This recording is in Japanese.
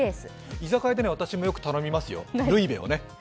居酒屋でよく頼みますよ、ルイベをね。